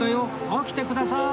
起きてください！